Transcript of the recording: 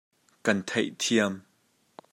Kan theihthiam.